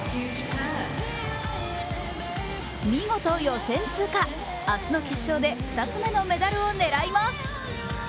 見事予選通過、明日の決勝で２つ目のメダルを狙います。